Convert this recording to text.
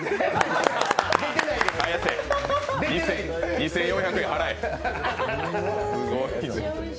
２４００円払え。